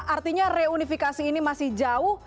artinya reunifikasi ini masih jauh